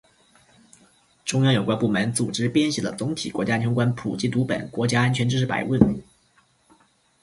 中央有关部门组织编写了总体国家安全观普及读本——《国家安全知识百问》